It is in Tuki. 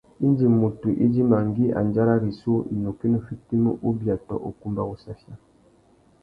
Indi mutu idjima ngüi andjara rissú, nukí nù fitimú ubia tô ukumba wussafia.